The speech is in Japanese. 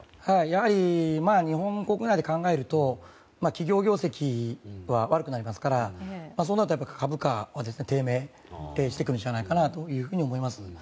やはり日本国内で考えると企業業績は悪くなりますから、そうなると株価は低迷してくるんじゃないかなと思います。